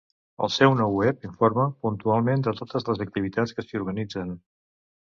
El seu nou web informa puntualment de totes les activitats que s'hi organitzen.